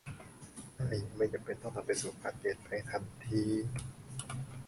ใช่ ไม่จำเป็นต้องนำไปสู่การเปลี่ยนแปลงทันที